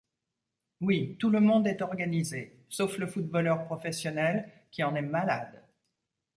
Oui, tout le monde est organisé, sauf le footballeur professionnel, qui en est malade.